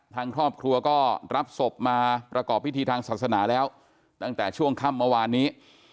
ทางครอบครัวก็รับศพมาประกอบพิธีทางศาสนาแล้วตั้งแต่ช่วงค่ำเมื่อวานนี้